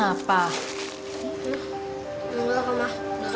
loh emangnya kenapa